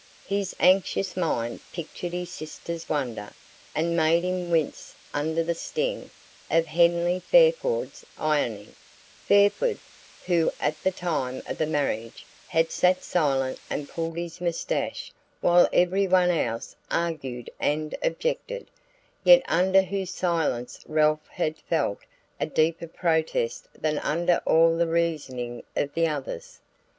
His anxious mind pictured his sister's wonder, and made him wince under the sting of Henley Fairford's irony: Fairford, who at the time of the marriage had sat silent and pulled his moustache while every one else argued and objected, yet under whose silence Ralph had felt a deeper protest than under all the reasoning of the others.